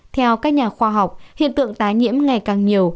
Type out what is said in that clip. theo các nhà khoa học hiện tượng tái nhiễm ngày càng nhiều